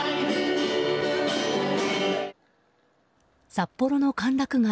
札幌の歓楽街